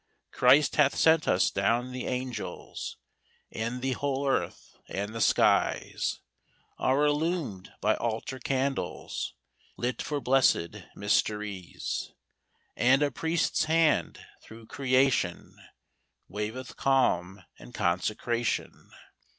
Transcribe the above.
Christ hath sent us down the angels; And the whole earth and the skies Are illumed by altar candles TRUTH. 35 Lit for blessed mysteries ; And a Priest's Hand, through creation, Waveth calm and consecration.